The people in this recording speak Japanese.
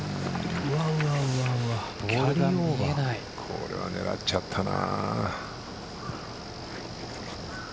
これは狙っちゃったな。